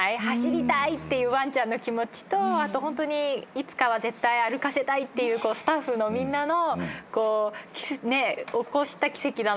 走りたいっていうワンちゃんの気持ちとホントにいつかは絶対歩かせたいっていうスタッフのみんなの起こした奇跡だと思う。